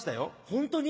ホントに？